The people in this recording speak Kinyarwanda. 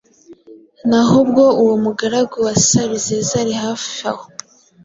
Naho ubwo umugaragu wa Sabizeze ari hafi aho,